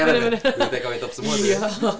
duitnya kawitok semua tuh ya